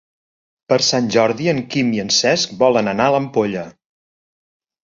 Per Sant Jordi en Quim i en Cesc volen anar a l'Ampolla.